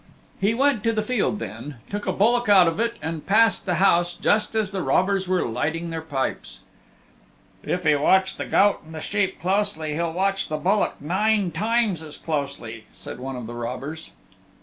He went to the field then, took a bullock out of it, and passed the house just as the robbers were lighting their pipes. "If he watched the goat and the sheep closely he'll watch the bullock nine times as closely," said one of the robbers.